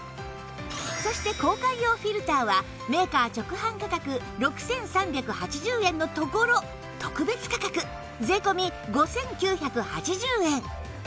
そして交換用フィルターはメーカー直販価格６３８０円のところ特別価格税込５９８０円